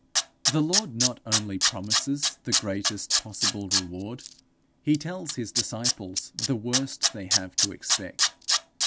The Lord not only promises the greatest possible reward; he tells his disciples the worst they have to expect.